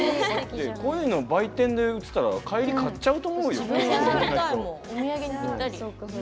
こういうの売店で売ってたら帰り買っちゃうと思うよ。